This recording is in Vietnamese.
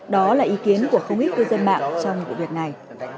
đó là ý kiến của không ít cư dân mạng trong vụ việc này